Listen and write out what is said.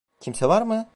Kimse var mı?